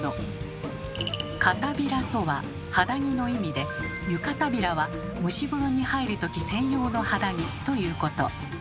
「帷子」とは肌着の意味で「湯帷子」は蒸し風呂に入るとき専用の肌着ということ。